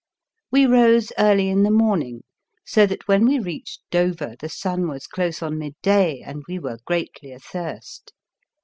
We rose early in the morn ing, so that when we reached Dover the sun was close on midday and we were greatly athirst.